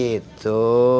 oh seperti itu